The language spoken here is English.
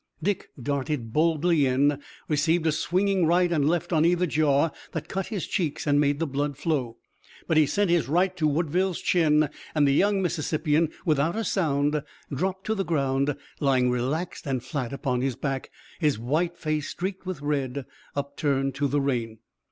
Dick darted boldly in, received a swinging right and left on either jaw that cut his cheeks and made the blood flow. But he sent his right to Woodville's chin and the young Mississippian without a sound dropped to the ground, lying relaxed and flat upon his back, his white face, streaked with red, upturned to the rain.